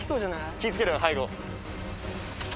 気ぃ付けろよ背後。